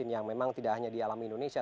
yang memang tidak hanya di alam indonesia